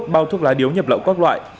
bao thuốc lá điếu nhập lậu các loại